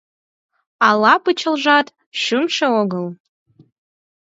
Ала пычалжат шӱшмӧ огыл?